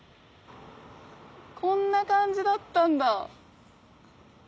こんな感じだったんだ。